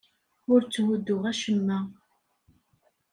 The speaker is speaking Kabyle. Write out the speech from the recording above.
Ur tthudduɣ acemma.